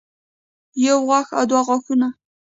يو غاښ او دوه غاښونه